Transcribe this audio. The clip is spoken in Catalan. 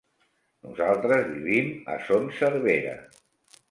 Nosaltres vivim a Son Servera.